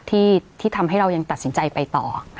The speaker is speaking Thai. ที่ทำให้เรายังตัดสินใจไปต่อ